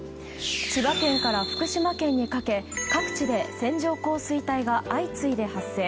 千葉県から福島県にかけ各地で線状降水帯が相次いで発生。